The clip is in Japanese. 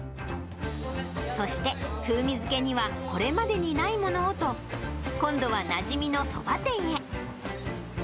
そして、風味付けにはこれまでにないものをと、今度はなじみのそば店へ。